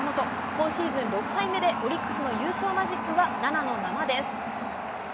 今シーズン６敗目でオリックスの優勝マジックは７のままです。